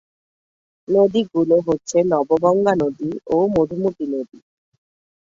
নদীগুলো হচ্ছে নবগঙ্গা নদী ও মধুমতি নদী।